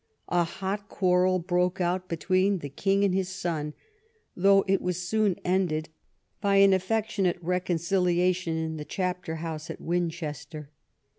A hot quarrel broke out between the king and his son, though it was soon ended by an affectionate reconciliation in the chapter house at Win chester.